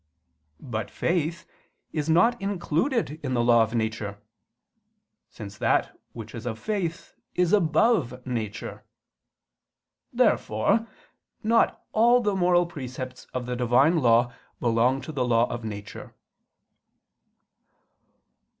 But faith is not included in the law of nature; since that which is of faith is above nature. Therefore not all the moral precepts of the Divine law belong to the law of nature.